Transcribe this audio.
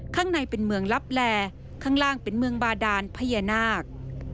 ข้างในเป็นเมืองลับแลข้างล่างเป็นเมืองบาดานพญานาค